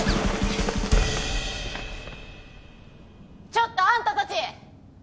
ちょっとあんたたち！